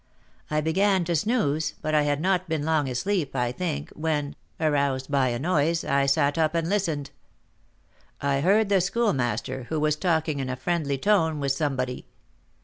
I began then to snooze, but I had not been long asleep, I think, when, aroused by a noise, I sat up and listened. I heard the Schoolmaster, who was talking in a friendly tone with somebody.